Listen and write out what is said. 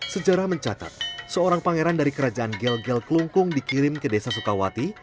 sejarah mencatat seorang pangeran dari kerajaan gel gel kelungkung dikirim ke desa sukawati